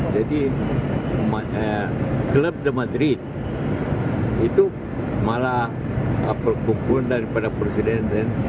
jadi klub the madrid itu malah berkumpul daripada presiden